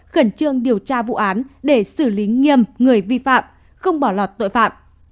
khẩn trương điều tra vụ án để xử lý nghiêm người vi phạm không bỏ lọt tội phạm